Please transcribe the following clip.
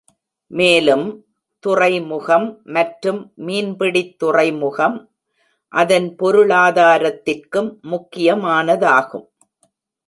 மேலும், துறைமுகம் மற்றும் மீன்பிடித்துறைமுகம், அதன் பொருளாதாரத்திற்கும் முக்கியமானதாகும்.